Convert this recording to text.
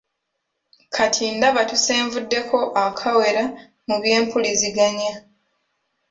Kati ndaba tusenvuddeko akawera mu by'empuliziganya.